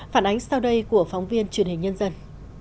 phản ánh sau đây của phóng viên truyền hình nhân dân